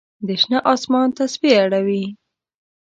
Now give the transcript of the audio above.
د شنه آسمان تسپې اړوي